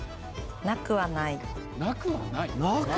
なくはない？